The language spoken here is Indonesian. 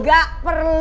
gak perlu pencuri